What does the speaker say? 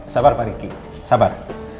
sabar pak ricky sabar